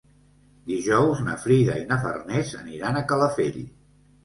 Dijous na Frida i na Farners aniran a Calafell.